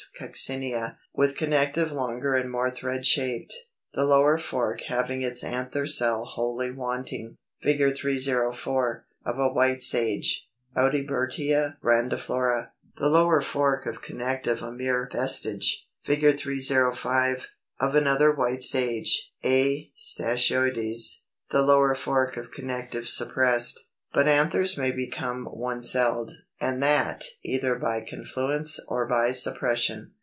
coccinea), with connective longer and more thread shaped, the lower fork having its anther cell wholly wanting. Fig. 304. Of a White Sage, Audibertia grandiflora; the lower fork of connective a mere vestige. Fig. 305. Of another White Sage (A. stachyoides), the lower fork of connective suppressed.] 291. But anthers may become one celled, and that either by confluence or by suppression.